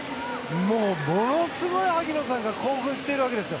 もう、ものすごい萩野さんが興奮しているわけですよ。